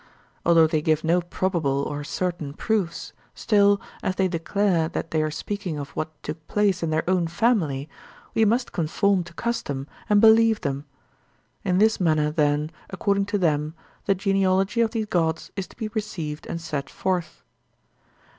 Although they give no probable or certain proofs, still, as they declare that they are speaking of what took place in their own family, we must conform to custom and believe them. In this manner, then, according to them, the genealogy of these gods is to be received and set forth.